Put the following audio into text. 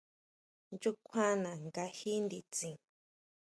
¿ʼNchukjuana kají nditsin?